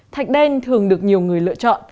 thạch đen thường được nhiều người lựa chọn